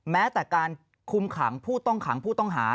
แม้แต่การคุมขังผู้ต้องขังผู้ต้องหา